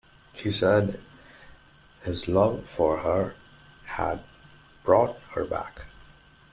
She said his love for her had brought her back.